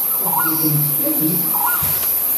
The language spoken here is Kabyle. Aql-ikent s tadist?